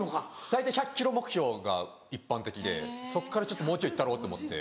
大体１００ｋｇ目標が一般的でそっからちょっともうちょい行ったろうと思って。